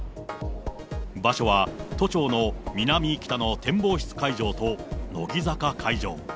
場所は都庁の南・北の展望室会場と、乃木坂会場。